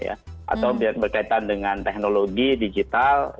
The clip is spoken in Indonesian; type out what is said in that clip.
atau berkaitan dengan teknologi digital